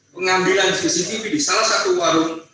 pengambilan cctv di salah satu warung